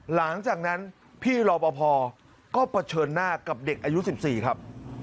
หลังจากนั้นพี่รอปภก็เผชิญหน้ากับเด็กอายุ๑๔ครับ